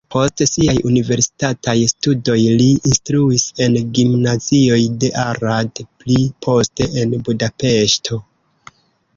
Post siaj universitataj studoj li instruis en gimnazioj de Arad, pli poste en Budapeŝto.